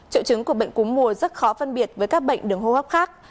triệu chứng của bệnh cúm mùa rất khó phân biệt với các bệnh đường hô hấp khác